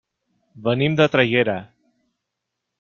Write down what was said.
Venim de Traiguera.